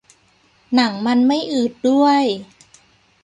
หนังมันไม่อืดด้วย